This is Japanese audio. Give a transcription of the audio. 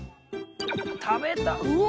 食べたいうわ！